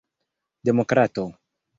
demokrato